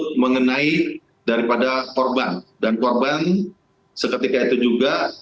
untuk mengenai daripada korban dan korban seketika itu juga